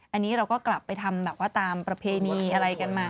อันนี้เราก็กลับไปทำแบบว่าตามประเพณีอะไรกันมา